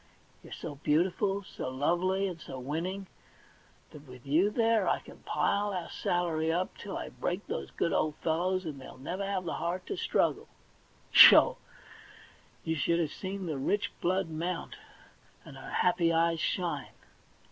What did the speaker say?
You're so beautiful, and so lovely, and so winning, that with you there I can pile our salary up till I break those good old fellows, and they'll never have the heart to struggle.' Sho! you should have seen the rich blood mount, and her happy eyes shine